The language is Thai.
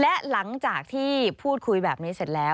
และหลังจากที่พูดคุยแบบนี้เสร็จแล้ว